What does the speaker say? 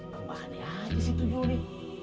kemahannya aja sih tuh juri